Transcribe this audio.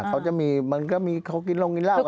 เขาจะมีมันก็มีเขากินลงกินเหล้า